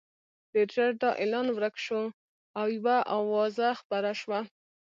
ډېر ژر دا اعلان ورک شو او یوه اوازه خپره شوه.